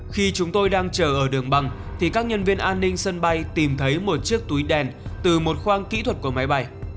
khi chúng tôi đang chờ ở đường băng thì các nhân viên an ninh sân bay tìm thấy một chiếc túi đen từ một khoang kỹ thuật của máy bay